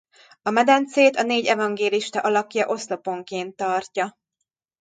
A medencét a négy evangélista alakja oszlopként tartja.